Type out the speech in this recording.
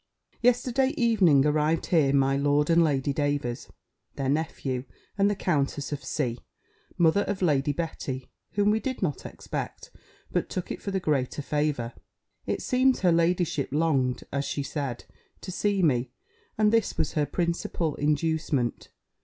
Yesterday evening arrived here my Lord and Lady Davers, their nephew, and the Countess of C., mother of Lady Betty, whom we did not expect, but took it for the greater favour. It seems her ladyship longed, as she said, to see me; and this was her principal inducement.